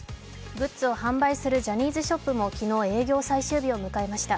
グッズを販売するジャニーズショップも昨日、営業最終日を迎えました。